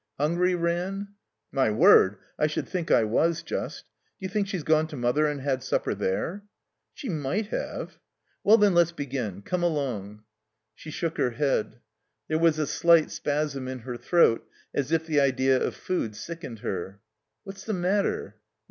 "Hungry, Ran?" "My word! I should think I was just. D'you think she's gone to Mother and had supper there?" She— might have." Well, then, let's begin. Come along." She shook her head. There was a slight spasm in her throat as if the idea of food sickened her. "What's the matter?"